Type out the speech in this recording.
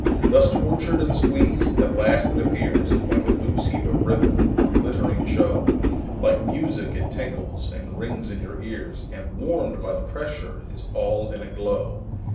Thus tortured and squeezed, at last it appears Like a loose heap of ribbon, a glittering show, Like music it tinkles and rings in your ears, And warm'd by the pressure is all in a glow.